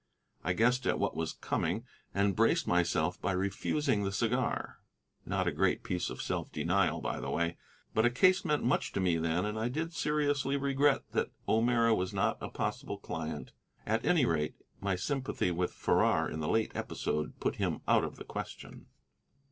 I guessed at what was coming, and braced myself by refusing the cigar, not a great piece of self denial, by the way. But a case meant much to me then, and I did seriously regret that O'Meara was not a possible client. At any rate, my sympathy with Farrar in the late episode put him out of the question.